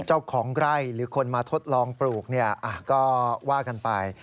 เจ้าของไร่หรือคนมาทดลองปลูกก็ว่ากันไป